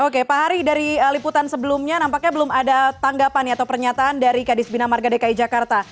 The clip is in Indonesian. oke pak hari dari liputan sebelumnya nampaknya belum ada tanggapan atau pernyataan dari kadis bina marga dki jakarta